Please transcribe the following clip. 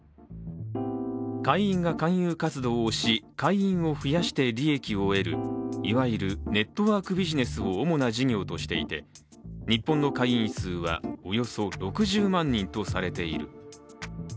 会員が勧誘活動をし、会員を増やして利益を得るいわゆるネットワークビジネスを主な事業としていて、日本の会員数は、およそ６０万人とされている。